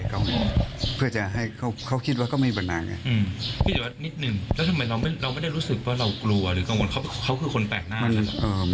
เขาอ้างสามีว่าสามีก็ซ้อมอย่างเดียว